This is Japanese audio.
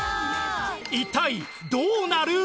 一体どうなる！？